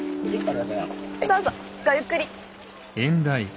どうぞごゆっくり。